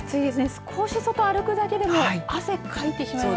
少し外を歩くだけでも汗をかいてしまう。